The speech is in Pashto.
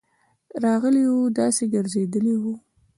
راغلی وو، داسي ګرځيدلی وو: